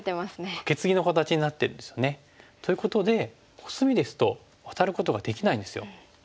カケツギの形になってるんですよね。ということでコスミですとワタることができないんですよ。